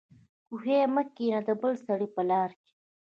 کوهي مه کينه دبل سړي په لار کي